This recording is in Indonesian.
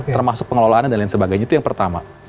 termasuk pengelolaan dan lain sebagainya itu yang pertama